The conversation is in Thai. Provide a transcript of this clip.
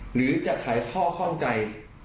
หรือจะขายข้อข้องใจ